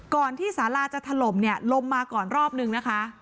ที่สาราจะถล่มเนี่ยลมมาก่อนรอบนึงนะคะ